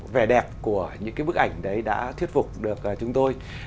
vẻ đẹp của những cái bức ảnh đấy đã thuyết phục được chúng tôi